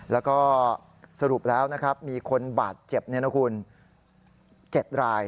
แล้วก็สรุปแล้วมีคนบาดเจ็บ๗ราย